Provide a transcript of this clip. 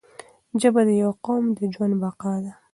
ژبه د یو قوم د ژوند بقا ده